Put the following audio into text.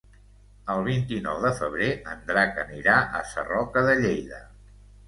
El vint-i-nou de febrer en Drac anirà a Sarroca de Lleida.